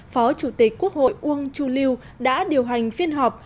phó chủ tịch quốc hội uông chu lưu đã điều hành phiên họp